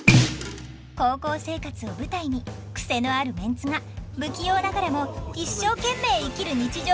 高校生活を舞台にクセのあるメンツが不器用ながらも一生懸命生きる日常をスケッチします！